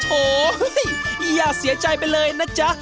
โอ้โหอย่าเสียใจไปเลยนะจ๊ะ